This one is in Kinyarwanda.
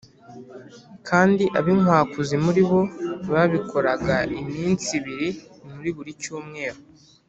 kandi ab’inkwakuzi muri bo babikoraga iminsi ibiri muri buri cyumweru